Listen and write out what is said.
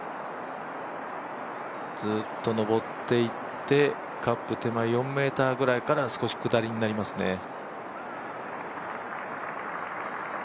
ずっと上っていってカップ手前４ｍぐらいから少し下りになりますね。